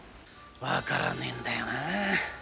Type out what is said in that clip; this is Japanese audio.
分からねえんだよな。